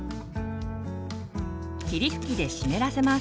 霧吹きで湿らせます。